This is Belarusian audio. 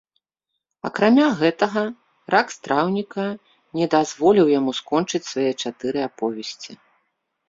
Акрамя гэтага, рак страўніка не дазволіў яму скончыць свае чатыры аповесці.